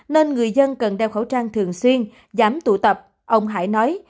nên người dân cần đeo khẩu trang thường xuyên giảm tụ tập ông hải nói